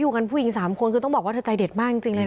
กันผู้หญิง๓คนคือต้องบอกว่าเธอใจเด็ดมากจริงเลยนะ